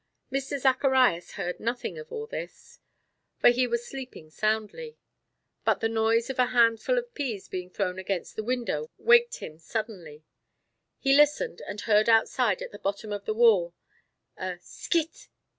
Mr. Zacharias heard nothing of all this, for he was sleeping soundly; but the noise of a handful of peas being thrown against the window waked him suddenly. He listened and heard outside at the bottom of the wall, a "scit!